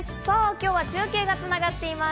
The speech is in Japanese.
今日は中継がつながっています。